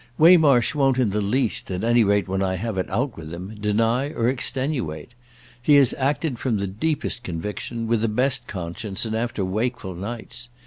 "Waymarsh won't in the least, at any rate, when I have it out with him, deny or extenuate. He has acted from the deepest conviction, with the best conscience and after wakeful nights.